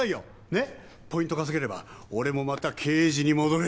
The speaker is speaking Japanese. ねっポイント稼げれば俺もまた刑事に戻れる。